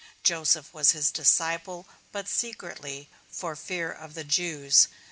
Joseph was his disciple, but secretly, for fear of the Jews.